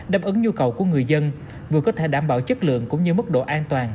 đáp ứng nhu cầu của người dân vừa có thể đảm bảo chất lượng cũng như mức độ an toàn